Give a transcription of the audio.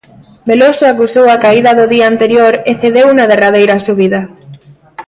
Veloso acusou a caída do día anterior e cedeu na derradeira subida.